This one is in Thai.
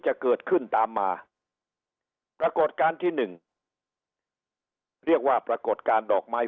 จะเกิดขึ้นตามมาปรากฏการณ์ที่หนึ่งเรียกว่าปรากฏการณ์ดอกไม้